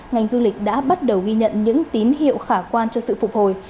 ngành du lịch đã bắt đầu ghi nhận những tín hiệu khả quan cho sự phục hồi